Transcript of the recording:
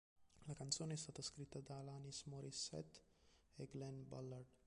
La canzone è stata scritta da Alanis Morissette e Glen Ballard.